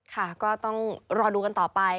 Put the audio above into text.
ค่ะก็ต้องรอดูกันต่อไป